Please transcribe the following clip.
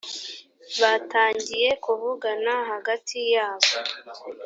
batangiye kuvugana hagati yabo